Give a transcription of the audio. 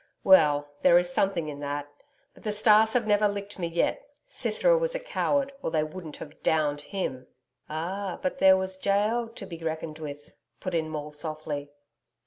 'Well, there is something in that. But the stars have never licked me yet. Sisera was a coward, or they wouldn't have DOWNED him.' 'Ah, but there was Jael to be reckoned with,' put in Maule softly.